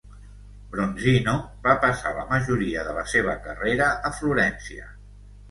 Bronzino va passar la majoria de la seva carrera a Florència.